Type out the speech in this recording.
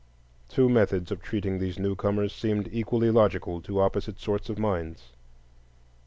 Two methods of treating these newcomers seemed equally logical to opposite sorts of minds.